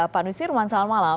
pak nusir wan selamat malam